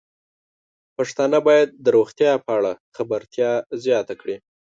پښتانه بايد د روغتیا په اړه خبرتیا زياته کړي.